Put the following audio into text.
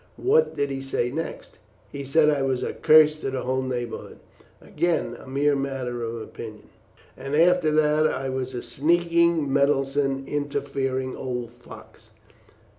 What did he say next?" "He said I was a curse to the whole neighbourhood." "Again a mere matter of opinion." "And after that that I was a sneaking, meddlesome, interfering old fox."